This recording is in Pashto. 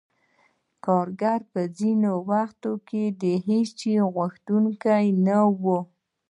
کارګر به ځینې وخت د هېڅ شي غوښتونکی نه وو